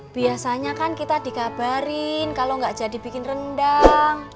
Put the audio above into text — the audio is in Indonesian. biasanya kan kita dikabarin kalo gak jadi bikin rendang